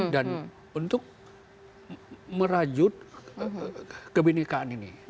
dan untuk merajut kebenekaan ini